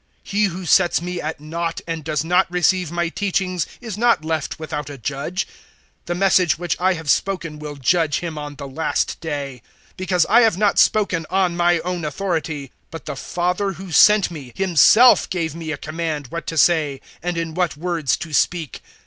012:048 He who sets me at naught and does not receive my teachings is not left without a judge: the Message which I have spoken will judge him on the last day. 012:049 Because I have not spoken on my own authority; but the Father who sent me, Himself gave me a command what to say and in what words to speak.